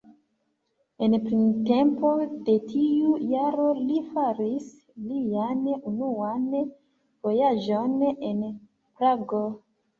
En printempo de tiu jaro li faris lian unuan vojaĝon en Prago.